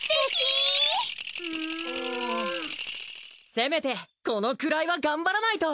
せめてこのくらいは頑張らないと。